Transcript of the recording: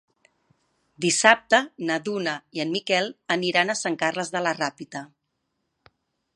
Dissabte na Duna i en Miquel aniran a Sant Carles de la Ràpita.